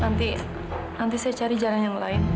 nanti saya cari jalan yang lain